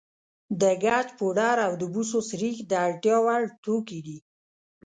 د ګچ پوډر او د بوسو سريښ د اړتیا وړ توکي دي.